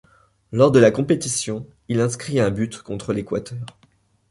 Lors de la compétition, il inscrit un but contre l'Équateur.